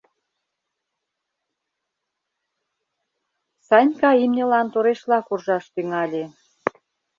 Санька имньылан торешла куржаш тӱҥале.